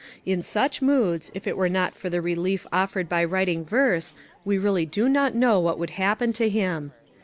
In such moods, if it were not for the relief offered by writing verse we really do not know what would happen to him.